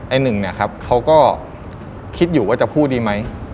ไอหนึ่งก็คิดอยู่ว่าจะพูดดีไหม